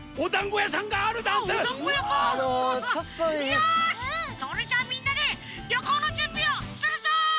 よしそれじゃあみんなでりょこうのじゅんびをするぞ！